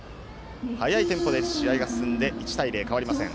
速いテンポで試合が進んで１対０、変わりません。